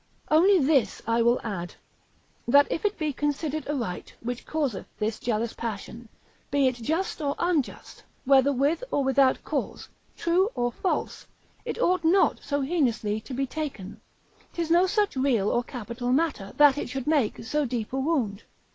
Only this I will add, that if it be considered aright, which causeth this jealous passion, be it just or unjust, whether with or without cause, true or false, it ought not so heinously to be taken; 'tis no such real or capital matter, that it should make so deep a wound.